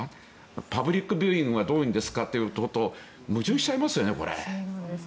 パブリックビューイングはどうなんですかということと矛盾しちゃいますよね、これ。